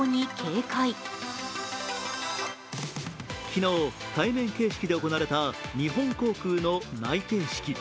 昨日、対面形式で行われた日本航空の内定式。